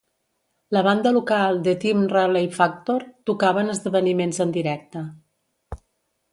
La banda local The Tim Riley Factor tocava en esdeveniments en directe.